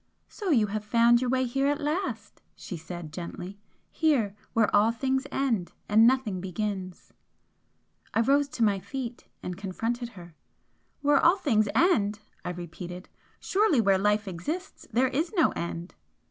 "So you have found your way here at last!" she said, gently "Here, where all things end, and nothing begins!" I rose to my feet and confronted her. "Where all things end!" I repeated "Surely where life exists there is no end?"